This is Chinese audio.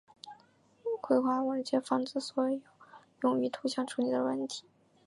绘图软件泛指所有用于图像处理的软体。